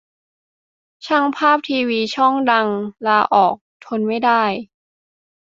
ช่างภาพทีวีช่องดัง ลาออก ทนไม่ได้